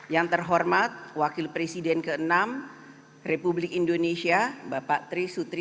yang terhormat wakil presiden ke enam republik indonesia bapak tiga sutrisno yang terhormat wakil